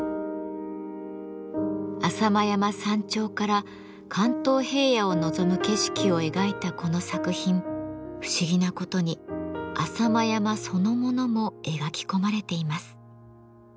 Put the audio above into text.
浅間山山頂から関東平野を望む景色を描いたこの作品不思議なことに浅間山そのものも描き込まれています。